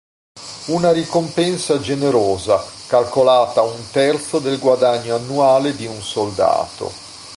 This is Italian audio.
Una ricompensa generosa, calcolata un terzo del guadagno annuale di un soldato.